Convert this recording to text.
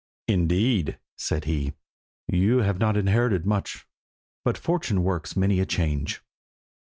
"Indeed," said he, "you have not inherited much, but fortune works many a change."